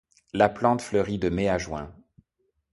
La plante fleurit de mai à juin.